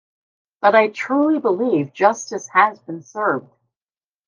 But I truly believe justice has been served.